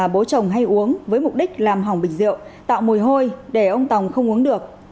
bố chồng có mục đích làm hỏng bình rượu tạo mùi hôi để ông tòng không uống được